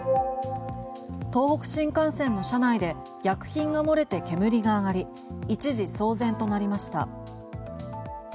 東北新幹線の車内で薬品が漏れて煙が上がり一時騒然となりました。